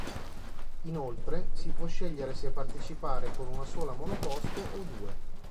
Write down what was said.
Inoltre, si può scegliere se partecipare con una sola monoposto o due.